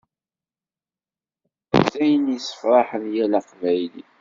Dayen yesfrahen yal aqbayli.